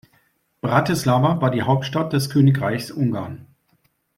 Bratislava war die Hauptstadt des Königreichs Ungarn.